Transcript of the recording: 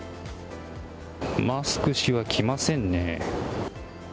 マスク氏は来ませんね。